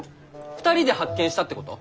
２人で発見したってこと？